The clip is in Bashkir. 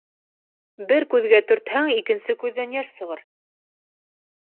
Бер күҙгә төртһәң, икенсе күҙҙән йәш сығыр.